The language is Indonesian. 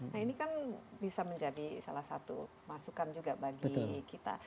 nah ini kan bisa menjadi salah satu masukan juga bagi kita